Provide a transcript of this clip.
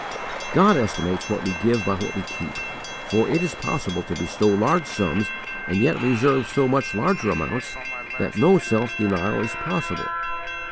God estimates what we give by what we keep, for it is possible to bestow large sums and yet reserve so much larger amounts that no self denial is possible.